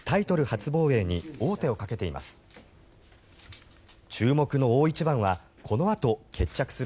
初防衛に王手をかけています。